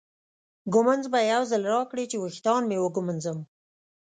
ږومنځ به یو ځل راکړې چې ویښتان مې وږمنځم.